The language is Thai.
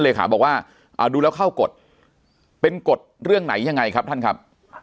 บอกว่าดูแล้วเข้ากฎเป็นกฎเรื่องไหนยังไงครับท่านครับ